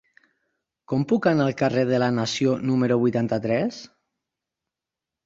Com puc anar al carrer de la Nació número vuitanta-tres?